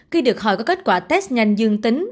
khi được hỏi có kết quả test nhanh dương tính